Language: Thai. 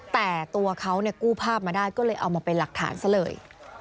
แต่ตัวเขาเนี่ยกู้ภาพมาได้ก็เลยเอามาเป็นหลักฐานซะเลย